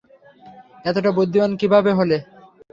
এতটা বুদ্ধিমান কীভাবে হলে?